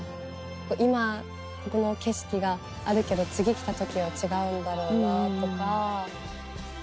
今この景色があるけど次来た時は違うんだろうなとか。